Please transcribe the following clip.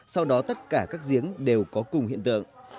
sau đó tất cả các giếng đều có cùng hiện tượng